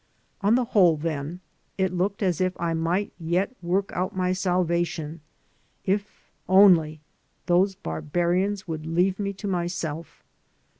On the whole, then, it looked as if I might yet work out my salvation if only those barbarians would leave me to myself.